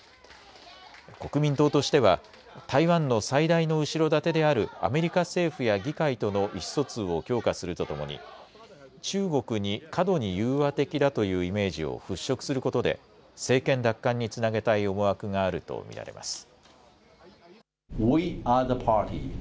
国民党としては台湾の最大の後ろ盾であるアメリカ政府や議会との意思疎通を強化するとともに中国に過度に融和的だというイメージを払拭することで政権奪還につなげたい思惑があると見られます。